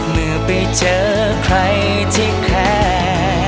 เมื่อไปเจอใครที่แท้